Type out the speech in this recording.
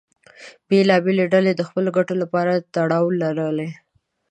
بېلابېلې ډلې د خپلو ګټو لپاره تړاو لرلې.